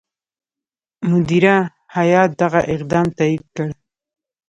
مدیره هیات دغه اقدام تایید کړ.